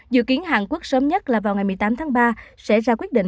dự kiến hàn quốc sớm nhất là vào ngày một mươi tám tháng ba sẽ ra quyết định